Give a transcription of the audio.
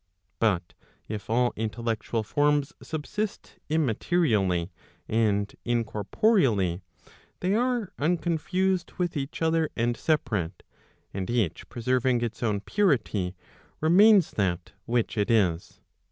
But if all intellectual forms subsist immaterially and incorporeally, they are unconfused with each other and separate, and each preserving its own purity, remains that which it is.